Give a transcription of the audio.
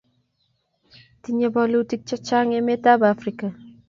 tinyei bolutik chechang emetab Afrika